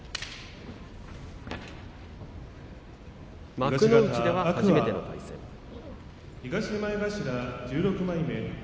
幕内では初めての対戦です。